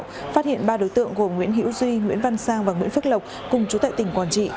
phát hiện ba đối tượng gồm nguyễn hữu duy nguyễn văn sang và nguyễn phước lộc cùng chú tại tỉnh quảng trị